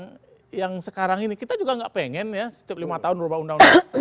nah yang sekarang ini kita juga nggak pengen ya setiap lima tahun merubah undang undang